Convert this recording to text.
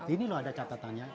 ini loh ada catatannya